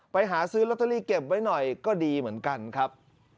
ไปหาซื้อลอตเตอรี่เก็บไว้หน่อยก็ดีเหมือนกันครับ